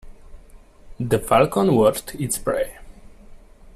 The falcon watched its prey.